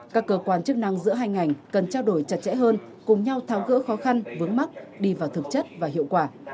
các cơ quan chức năng giữa hai ngành cần trao đổi chặt chẽ hơn cùng nhau tháo gỡ khó khăn vướng mắt đi vào thực chất và hiệu quả